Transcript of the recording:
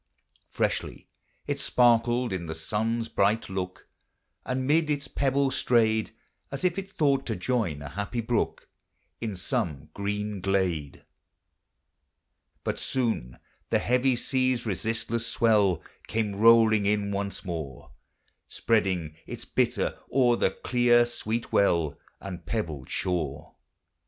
Freshly it sparkled in the sun's bright look, And mid its pebbles strayed, As if it thought to join a happy brook In some green glade. But soon the heavy sea's resistless swell Came rolling in once more, Spreading its bitter o'er the clear sweet well And pebbled shore.